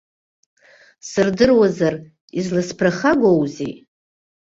Сырдыруазар, изласԥырхагоузеи?